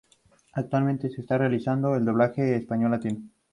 Actualmente se está realizando el doblaje al español latino.